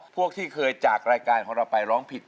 พวกที่เคยจากรายการของเราไปร้องผิด